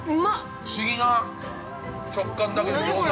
◆不思議な食感だけど、餃子。